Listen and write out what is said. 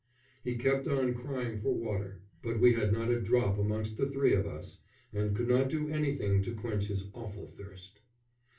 He kept on crying for water; but we had not a drop amongst the three of us, and could not do anything to quench his awful thirst.